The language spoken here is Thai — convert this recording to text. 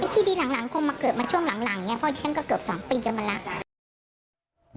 ที่ที่หลังหลังคงมาเกิดมาช่วงหลังหลังอย่างเงี้ยเพราะฉันก็เกือบสองปีกันมาแล้ว